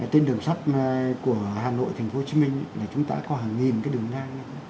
trên đường sắt của hà nội thành phố hồ chí minh là chúng ta có hàng nghìn cái đường ngang